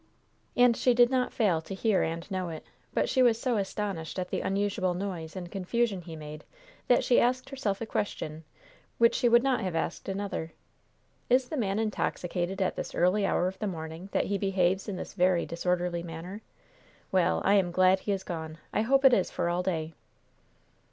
And she did not fail to hear and know it; but she was so astonished at the unusual noise and confusion he made that she asked herself a question which she would not have asked another: "Is the man intoxicated at this early hour of the morning, that he behaves in this very disorderly manner? Well, I am glad he is gone. I hope it is for all day."